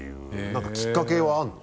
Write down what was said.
何かきっかけはあるの？